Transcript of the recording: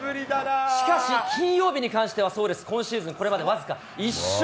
しかし金曜日に関してはそうです、今シーズン、これまで僅か１勝。